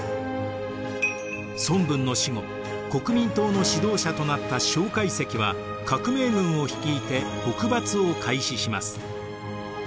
孫文の死後国民党の指導者となった蒋介石は革命軍を率いて北伐を開始します。